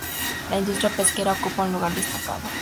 La industria pesquera ocupa un lugar destacado.